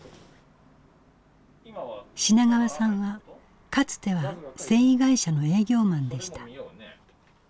品川さんはかつては繊維会社の営業マンでした。